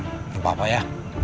gak apa apa ya